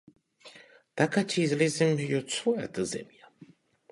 Така ќе излеземе и од својата земја.